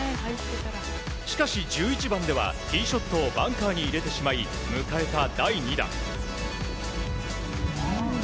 しかし１１番ではティーショットをバンカーに入れてしまい迎えた、第２打。